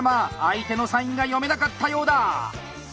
相手のサインが読めなかったようだ。